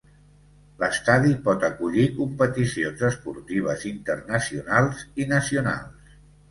L'estadi pot acollir competicions esportives internacionals i nacionals.